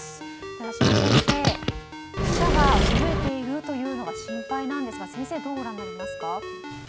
寺嶋先生、死者が増えているというのが心配なんですが先生はどうご覧になりますか？